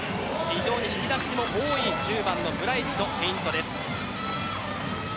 引き出しも非常に多い１０番のブライチのフェイントです。